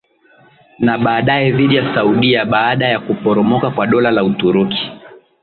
na baadaye dhidi ya Saudia Baada ya kuporomoka wa dola la Uturuki